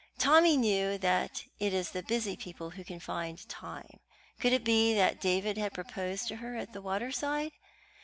Tommy knew that it is the busy people who can find time. Could it be that David had proposed to her at the waterside?